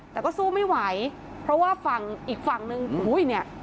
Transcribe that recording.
แต่ก็สู้ไม่ไหวเพราะว่าฝั่งอีกฝั่งนึงอุ้ยเนี่ย